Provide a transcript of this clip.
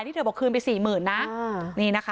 เธอบอกคืนไปสี่หมื่นนะนี่นะคะ